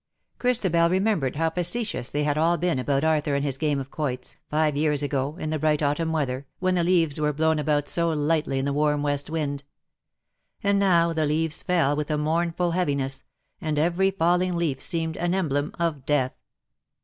Christabel remembered how facetious they had all been about Arthur and his game of quoits, five years ago, in the bright autumn weather, when the leaves were blown about so lightly in the warm west wind. And now the leaves fell with a mournful heaviness, and every falling leaf seemed an emblem of death.